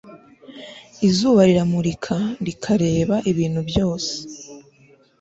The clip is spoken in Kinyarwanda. izuba riramurika rikareba ibintu byose